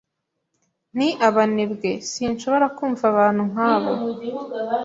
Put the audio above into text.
Ni abanebwe. Sinshobora kumva abantu nkabo.